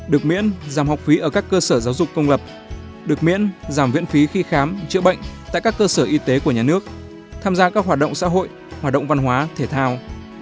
được miễn giảm học phí ở các cơ sở giáo dục công lập được miễn giảm viện phí khi khám chữa bệnh tại các cơ sở y tế của nhà nước tham gia các hoạt động xã hội hoạt động văn hóa thể thao